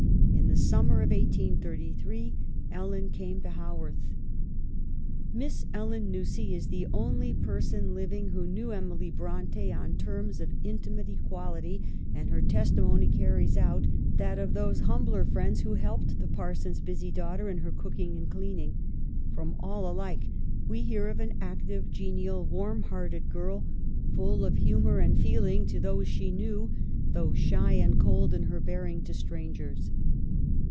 In the summer of 1833 Ellen came to Haworth. Miss Ellen Nussey is the only person living who knew Emily Bronte on terms of intimate equality, and her testimony carries out that of those humbler friends who helped the parson's busy daughter in her cooking and cleaning ; from all alike we hear of an active, genial, warm hearted girl, full of humor and feeling to those CHILDHOOD. 65 she knew, though shy and cold in her bearing to strangers.